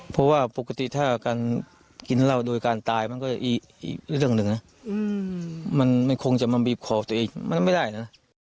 เพราะว่าปกติถ้าการกินเหล้าโดยการตายมันก็อีกเรื่องหนึ่งนะมันคงจะมาบีบคอตัวเองมันก็ไม่ได้นะ